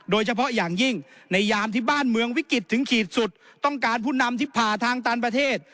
โดยเฉพาะอย่างยิ่งในยามที่บ้านเมืองวิกฤตถึงขีดสุดต้องการผู้นำที่ผ่าทางตันประเทศ